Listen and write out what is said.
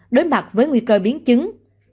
đối mặt với nguy cơ biến chứng